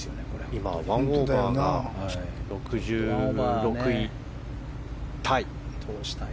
今は１オーバーが６６位タイ。